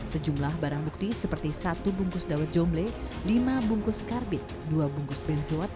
sejumlah barang bukti seperti satu bungkus dawat jomble lima bungkus karbid dua bungkus benzoat